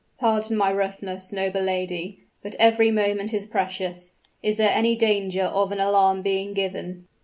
"Pardon my roughness, noble lady but every moment is precious. Is there any danger of an alarm being given?"